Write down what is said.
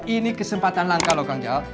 ini kesempatan langka loh kang jawab